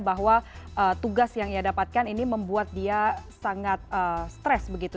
bahwa tugas yang ia dapatkan ini membuat dia sangat stres begitu